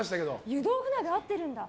湯豆腐鍋は合ってるんだ。